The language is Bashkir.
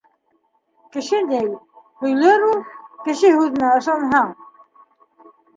Кеше ни... һөйләр ул. Кеше һүҙенә ышанһаң...